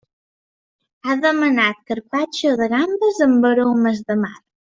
Ha demanat carpaccio de gambes amb aromes de mar.